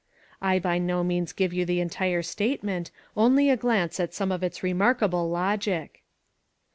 I by no means give you the entire statement, only a glance at some of its remarkable logic.